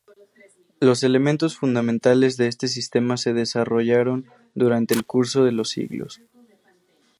Los elementos fundamentales de este sistema se desarrollaron durante el curso de los siglos.